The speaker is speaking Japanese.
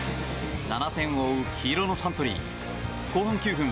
７点を追う黄色のサントリー後半９分